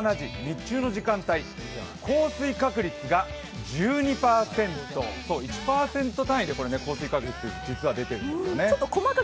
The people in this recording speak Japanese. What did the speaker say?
日中の時間帯、降水確率が１２％、１％単位で降水確率実は出ているんですね。